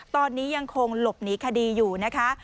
ตอนนี้ยังคงหลบหนีคดีอยู่นะคะ